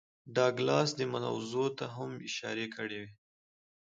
ډاګلاس دې موضوع ته هم اشارې کړې وې